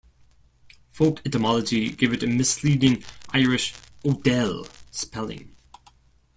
Folk etymology gave it a misleading Irish O'Dell spelling.